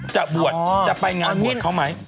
จะบวชจะไปงานบวชเขาไหม